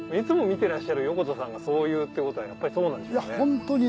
てらっしゃる横田さんがそう言うってことはやっぱりそうなんでしょうね。